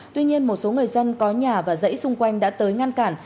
tuy nhiên một số người dân có nhà và dãy xung quanh đã tới ngăn cản